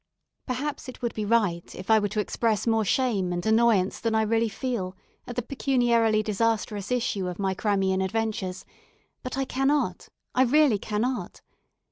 Perhaps it would be right if I were to express more shame and annoyance than I really feel at the pecuniarily disastrous issue of my Crimean adventures, but I cannot I really cannot.